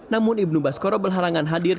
namun ibnu baskoro berhalangan hadir